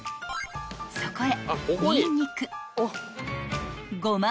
［そこへ］